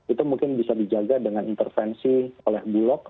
itu mungkin bisa dijaga dengan intervensi oleh bulog